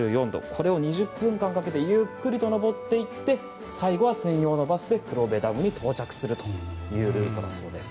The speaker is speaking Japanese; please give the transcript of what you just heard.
これを２０分かけてゆっくりと上っていって最後は、専用のバスで黒部ダムに到着するルートだそうです。